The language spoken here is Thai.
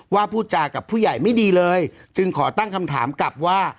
พูดจากับผู้ใหญ่ไม่ดีเลยจึงขอตั้งคำถามกลับว่า